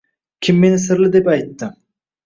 “Kim meni sirli deb aytdi.”